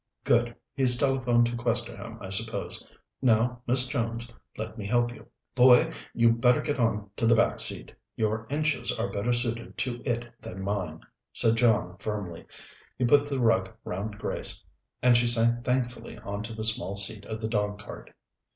"Good! He's telephoned to Questerham, I suppose. Now, Miss Jones, let me help you. Boy, you'd better get on to the back seat; your inches are better suited to it than mine," said John firmly. He put the rug round Grace, and she sank thankfully on to the small seat of the dog cart.